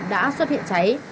đã xuất hiện cháy